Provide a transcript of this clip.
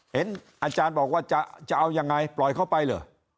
อาจารย์บอกว่าจะเอายังไงปล่อยเข้าไปเหรอ